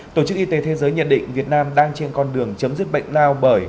tổ chức y tế thế giới nhận định việt nam đang trên con đường chấm dứt bệnh lao bởi